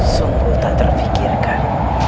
sungguh tak terfikirkan